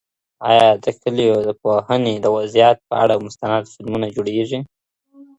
آیا د کلیو د پوهنې د وضعیت په اړه مستند فلمونه جوړیږي؟